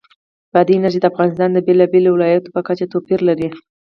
بادي انرژي د افغانستان د بېلابېلو ولایاتو په کچه توپیر لري.